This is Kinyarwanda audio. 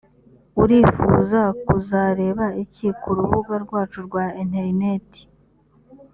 urifuza kuzareba iki ku rubuga rwacu rwa interineti